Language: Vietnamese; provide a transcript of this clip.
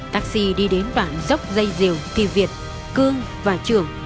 taxi đi đến đoạn dốc dây diều thì việt cương và trường